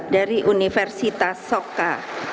dari universitas soka